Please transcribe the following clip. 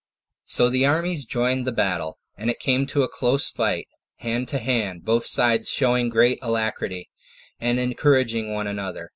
4. So the armies joined battle; and it came to a close fight, hand to hand, both sides showing great alacrity, and encouraging one another.